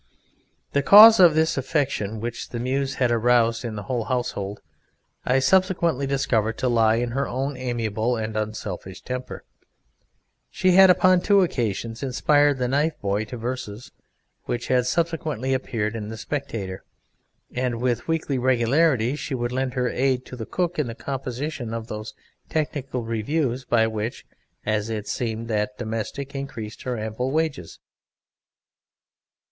The cause of this affection which the Muse had aroused in the whole household I subsequently discovered to lie in her own amiable and unselfish temper. She had upon two occasions inspired the knife boy to verses which had subsequently appeared in the Spectator, and with weekly regularity she would lend her aid to the cook in the composition of those technical reviews by which (as it seemed) that domestic increased her ample wages.